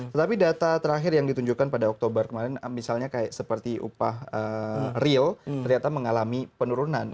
tetapi data terakhir yang ditunjukkan pada oktober kemarin misalnya seperti upah real ternyata mengalami penurunan